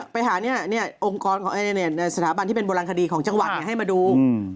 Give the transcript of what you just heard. ไปหาสถาบันที่เป็นบลังคดีของจังหวัดให้มาดู